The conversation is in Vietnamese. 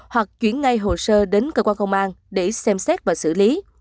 hoặc chuyển ngay hồ sơ đến cơ quan công an để xem xét và xử lý